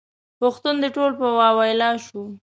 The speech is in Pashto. پښتون دې ټول په واویلا شو.